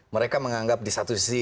mereka menganggap di satu sisi